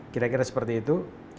kira kira seperti itu